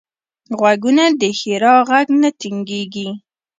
غوږونه د ښیرا غږ نه تنګېږي